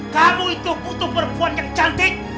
kalau itu butuh perempuan yang cantik